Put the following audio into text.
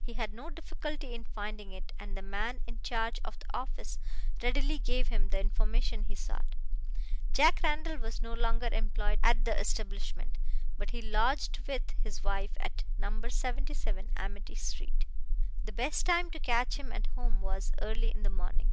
He had no difficulty in finding it, and the man in charge of the office readily gave him the information he sought. Jack Randall was no longer employed at the establishment, but he lodged with his wife at No. 77 Amity street. The best time to catch him at home was early in the morning.